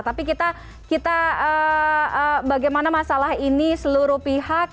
tapi kita bagaimana masalah ini seluruh pihak